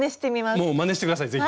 もうまねして下さい是非。